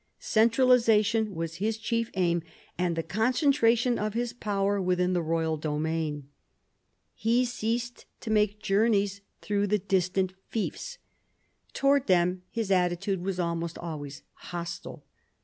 Centralisation was his chief aim, — and the concentration of his power within the royal domain. He ceased to make journeys through I THE FRANKISH MONARCHY 5 the distant fiefs. Towards them his attitude was almost always hostile.